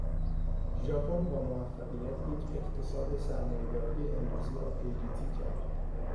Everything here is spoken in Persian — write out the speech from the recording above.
ژاپن با موفقیت، یک اقتصاد سرمایهداری امروزی را پیریزی کرد.